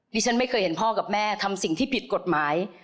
ฉันไม่เคยเห็นพ่อกับแม่ทำสิ่งที่ผิดกฎหมาย